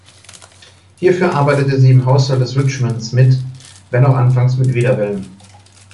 Hierfür arbeitet sie im Haushalt des "Richmonds" mit, wenn auch anfangs mit Widerwillen.